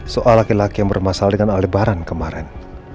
soal laki laki yang bermasalah dengan lebaran kemarin